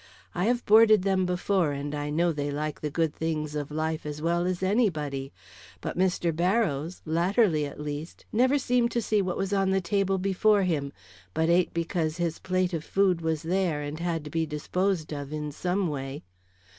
"I have boarded them before, and I know they like the good things of life as well as anybody. But Mr. Barrows, latterly at least, never seemed to see what was on the table before him, but ate because his plate of food was there, and had to be disposed of in some way.